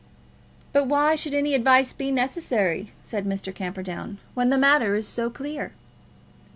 "But why should any advice be necessary," said Mr. Camperdown, "when the matter is so clear?"